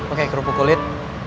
oke kerupuk kulit